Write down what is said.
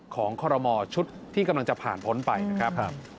คอรมอชุดที่กำลังจะผ่านพ้นไปนะครับ